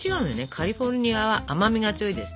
カリフォルニアは甘みが強いです。